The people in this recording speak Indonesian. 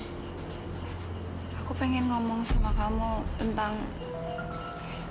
hai aku pengen ngomong sama kamu tentang makhluk